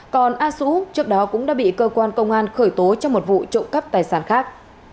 còn a sú trước đó cũng đã bị cơ quan công an khởi tố trong một vụ trộm cắp tài sản khác